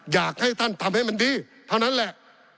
อยากให้ท่านทำให้มันดีเท่านั้นแหละ